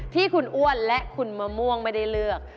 ที่คุณอ้วนและคุณมะม่วงไม่ได้เลือก